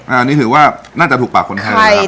อันนี้ถือว่าน่าจะถูกปากคนไทยนะครับ